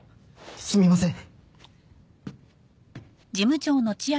すみません。